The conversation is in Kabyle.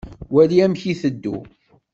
Wali amek i iteddu.